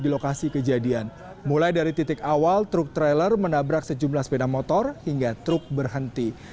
di lokasi kejadian mulai dari titik awal truk trailer menabrak sejumlah sepeda motor hingga truk berhenti